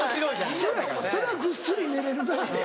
それはぐっすり寝れるな。